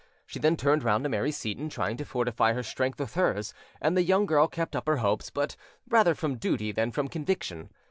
She then turned round to Mary Seyton, trying to fortify her strength with hers, and the young girl kept up her hopes, but rather from duty than from conviction.